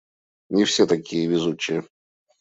Не все такие везучие.